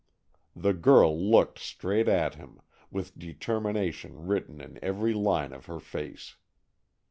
The girl looked straight at him, with determination written in every line of her face.